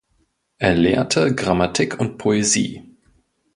Er lehrte Grammatik und Poesie.